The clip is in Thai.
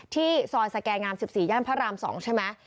ที่ซอยสแก่งาม๑๔ย่านพระราม๒ใช่ไหม